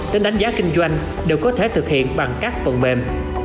đến đánh giá kinh doanh đều có thể thực hiện bằng các phần mềm